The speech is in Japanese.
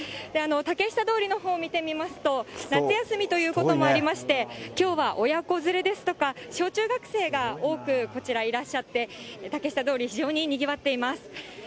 竹下通りのほう見てみますと、夏休みということもありまして、きょうは親子連れですとか、小中学生が多くこちら、いらっしゃって、竹下通り、非常ににぎわっています。